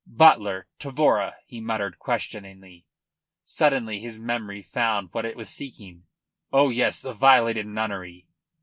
"Butler Tavora?" he muttered questioningly. Suddenly his memory found what it was seeking. "Oh yes, the violated nunnery."